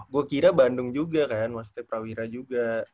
gue kira bandung juga kan maksudnya prawira juga